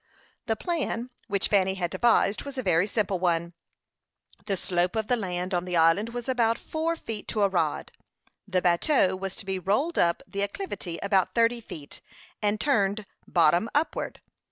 The plan which Fanny had devised was a very simple one. The slope of the land on the island was about four feet to a rod. The bateau was to be rolled up the acclivity about thirty feet, and turned bottom upward.